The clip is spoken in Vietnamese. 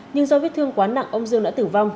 nhưng do vết thương quá nặng ông dương đã tử vong